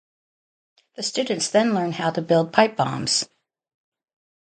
The students then learn how to build pipe bombs.